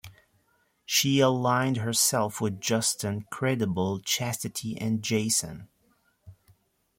She aligned herself with Justin Credible, Chastity and Jason.